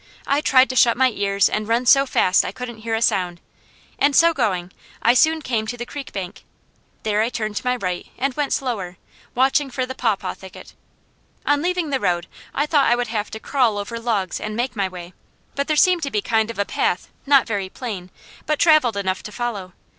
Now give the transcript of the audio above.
I tried to shut my ears and run so fast I couldn't hear a sound, and so going, I soon came to the creek bank. There I turned to my right and went slower, watching for the pawpaw thicket. On leaving the road I thought I would have to crawl over logs and make my way; but there seemed to be kind of a path not very plain, but travelled enough to follow.